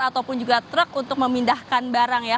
ataupun juga truk untuk memindahkan barang ya